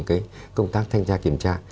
một cái công tác thanh tra kiểm tra